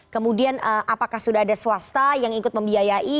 kemudian apakah sudah ada swasta yang ikut membiayai